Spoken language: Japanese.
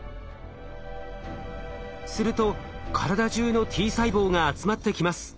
すると体じゅうのＴ細胞が集まってきます。